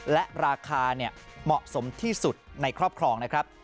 และราคาเหมาะสมที่สุดในครอบครองนะครับ